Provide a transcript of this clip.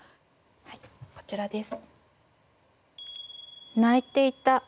はいこちらです。